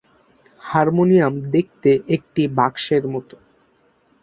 Harmonium দেখতে একটি বাক্সের মতো।